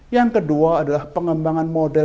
yang kedua adalah pengembangan model